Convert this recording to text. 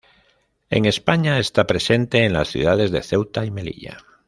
En España está presente en las ciudades de Ceuta y Melilla.